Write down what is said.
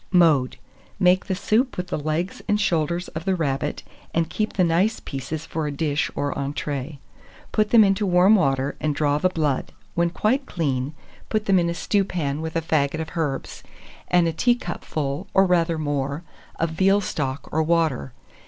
Mode. Make the soup with the legs and shoulders of the rabbit, and keep the nice pieces for a dish or entrée. Put them into warm water, and draw the blood; when quite clean, put them in a stewpan, with a faggot of herbs, and a teacupful, or rather more, of veal stock or water.